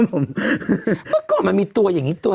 เมื่อมามีตัวอย่างงี้ตัว